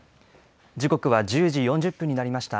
時刻は１０時４０分になりました。